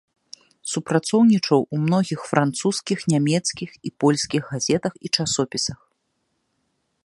Супрацоўнічаў у многіх французскіх, нямецкіх і польскіх газетах і часопісах.